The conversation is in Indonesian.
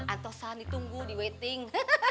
antosan ditunggu di waiting